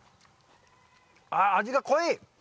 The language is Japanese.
ああ味が濃い！